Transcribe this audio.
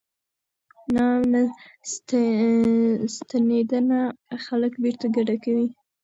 ناامنه ستنېدنه خلک بیرته کډه کوي.